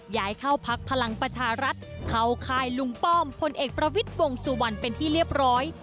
ย้ายเข้าพักพลังประชารัฐเข้าค่ายลุงป้อมพลเอกประวิทย์วงสุวรรณเป็นที่เรียบร้อย